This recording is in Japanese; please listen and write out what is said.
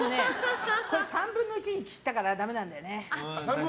３分の１に切ったからダメなんだよね。